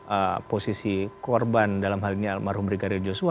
tidak posisi korban dalam hal ini almarhum brigadier joshua